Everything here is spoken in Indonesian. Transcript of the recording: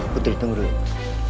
putri tunggu dulu